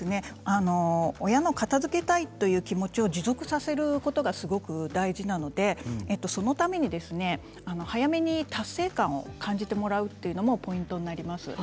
親の片づけたいという気持ちを持続させることがすごく大事なのでそのために早めに達成感を感じてもらうというのもポイントになります。